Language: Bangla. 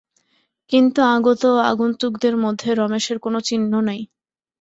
কিন্তু আগত ও আগন্তুকদের মধ্যে রমেশের কোনো চিহ্ন নাই।